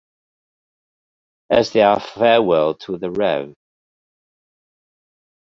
As their farwell to the Rev.